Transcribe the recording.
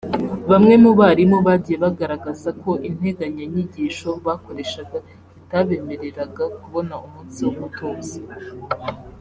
Bamwe mu barimu bagiye bagaragaza ko integanyanyigisho bakoreshaga itabemereraga kubona umunsi wo gutoza